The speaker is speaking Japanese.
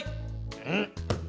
うん。